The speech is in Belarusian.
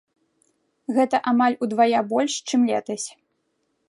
Гэта амаль удвая больш, чым летась.